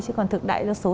chứ còn thực đại đa số